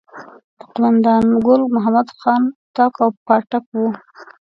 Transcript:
د قوماندان ګل محمد خان اطاق او پاټک وو.